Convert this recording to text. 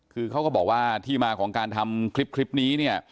คือเขาก็บอกว่าที่มาของการทำคลิปนี้เนี่ย